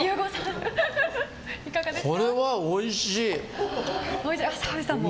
これはおいしい！